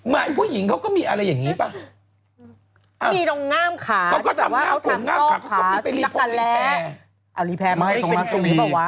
มาตรงหน้ามระดับขาก็เรียกว่ามีการรักค่ะกับหายแบด